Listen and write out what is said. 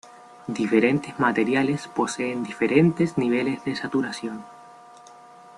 Diferentes materiales poseen diferentes niveles de saturación.